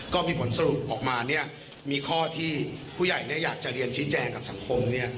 ก็มีผลสรุปออกมามีข้อที่ผู้ใหญ่อยากจะเรียนชี้แจงกับสังคม